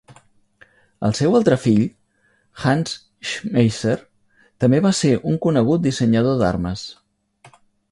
El seu altre fill, Hans Schmeisser, també va ser un conegut dissenyador d'armes.